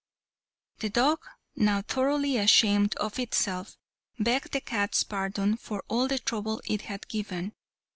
The dog, now thoroughly ashamed of itself, begged the cat's pardon for all the trouble it had given.